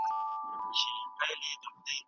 خیر محمد ته د خپلې لور "بابا" ویل ډېر خوند ورکوي.